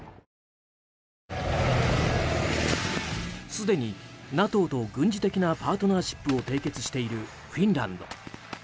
すでにＮＡＴＯと軍事的なパートナーシップを締結しているフィンランド。